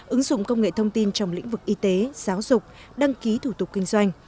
ứng dụng công nghệ thông tin trong lĩnh vực y tế giáo dục đăng ký thủ tục kinh doanh